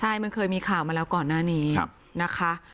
ใช่มันเคยมีข่าวมาแล้วก่อนหน้านี้นะคะ